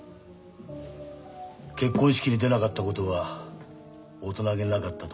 結婚式に出なかったことは大人げなかったと思ってる。